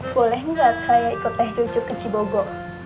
boleh nggak saya ikut teh cucu ke cibogo